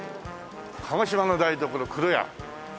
「鹿児島の台所くろ屋」